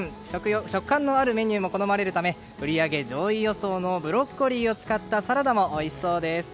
食感のあるメニューも好まれるため売り上げ上位予想のブロッコリーを使ったサラダもおいしそうです。